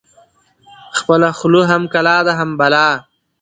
خپله خوله هم کلا ده، هم بلا